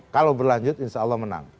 kalau berlanjut insya allah menang